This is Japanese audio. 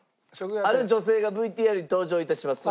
ある女性がＶＴＲに登場いたします。